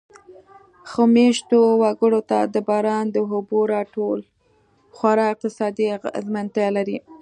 ښار مېشتو وګړو ته د باران د اوبو را ټول خورا اقتصادي اغېزمنتیا لري.